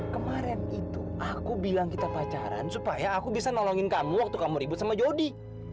kemarin itu aku bilang kita pacaran supaya aku bisa nolongin kamu waktu kamu ribut sama jody